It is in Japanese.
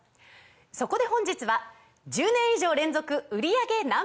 そこで本日は１０年以上連続売り上げＮｏ．１